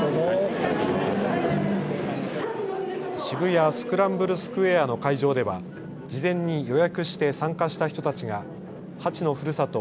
渋谷スクランブルスクエアの会場では事前に予約して参加した人たちがハチのふるさと